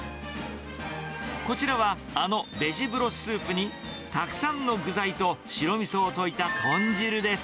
こちらは、あのベジブロススープに、たくさんの具材と白みそをといた豚汁です。